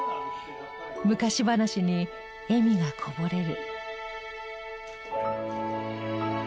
昔話に笑みがこぼれる。